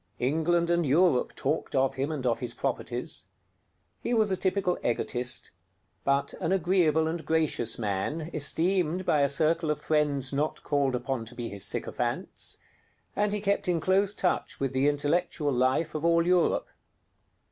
England and Europe talked of him and of his properties. He was a typical egotist: but an agreeable and gracious man, esteemed by a circle of friends not called upon to be his sycophants; and he kept in close touch with the intellectual life of all Europe.